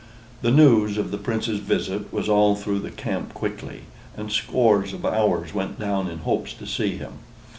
The news of the Prince's visit was all through the camp quickly, and scores of ours went down in hopes to see him.